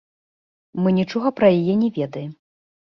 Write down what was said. Мы нічога пра яе не ведаем.